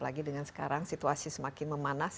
lagi dengan sekarang situasi semakin memanas